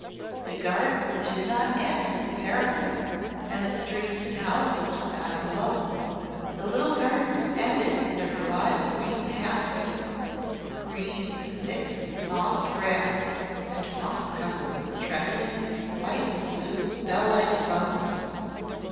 The garden did not end at the parapet and the streets and houses were not below. The little garden ended in a broad green pathway green with thick, soft grass and moss covered with trembling white and blue bell like flowers.